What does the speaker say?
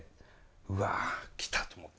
うわ来た！と思った。